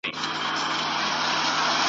د پیربابا پر قبر !.